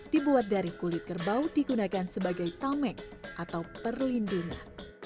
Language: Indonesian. dibuat dari kulit kerbau digunakan sebagai tameng atau perlindungan